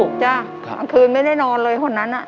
ครับบางคืนไม่ได้นอนเลยขนนั้น